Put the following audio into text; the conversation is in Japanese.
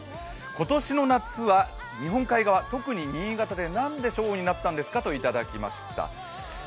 今年の夏は日本海側、特に新潟で何で少雨になったんですかと聞かれました。